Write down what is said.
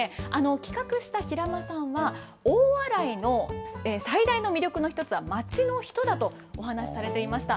企画した平間さんは、大洗の最大の魅力の一つは町の人だとお話しされていました。